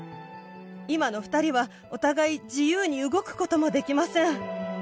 今の２人はお互い自由に動くこともできません